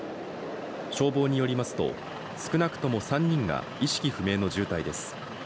消防によりますと、少なくとも３人が意識不明の重体です。